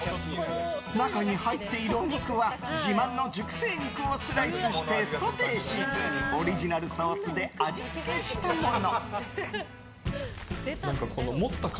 中に入っているお肉は自慢の熟成肉をスライスしてソテーし、オリジナルソースで味付けしたもの。